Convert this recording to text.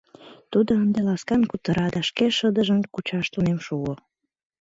Тудо ынде ласкан кутыра да шке шыдыжым кучаш тунем шуо.